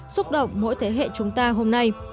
xúc động mỗi thế hệ chúng ta hôm nay